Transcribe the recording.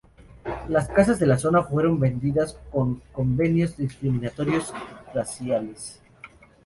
Las casas de la zona fueron vendidas con convenios discriminatorios raciales.